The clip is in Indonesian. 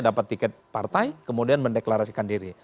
dapat tiket partai kemudian mendeklarasikan diri